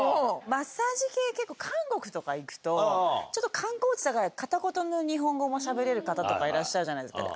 マッサージ系、結構、韓国とか行くと、ちょっと観光地だから、片言の日本語もしゃべれる方とかいらっしゃるじゃないですか。